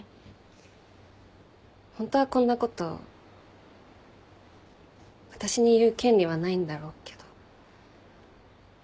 ホントはこんなこと私に言う権利はないんだろうけど。